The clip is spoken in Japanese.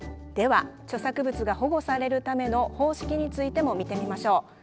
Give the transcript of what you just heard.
では著作物が保護されるための方式についても見てみましょう。